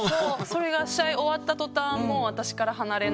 それが試合終わった途端もう私から離れなくなって。